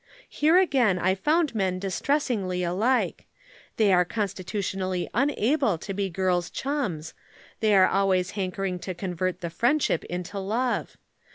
Here again I found men distressingly alike. They are constitutionally unable to be girls' chums, they are always hankering to convert the friendship into love.